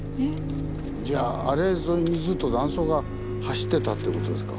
じゃああれ沿いにずっと断層が走ってたってことですか